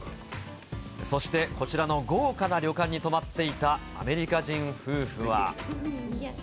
そしてこちらの豪華な旅館に泊まっていたアメリカ人夫婦は。